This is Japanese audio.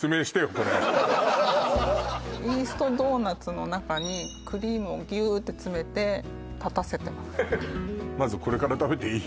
これイーストドーナツの中にクリームをギューッて詰めて立たせてますまずこれから食べていい？